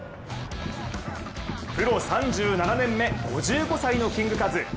プロ３７年目、５５歳のキングカズ。